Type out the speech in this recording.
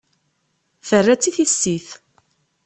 Terra-tt i tissit.